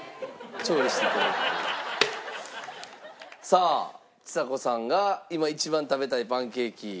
さあちさ子さんが今一番食べたいパンケーキ。